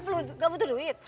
lu gak butuh duit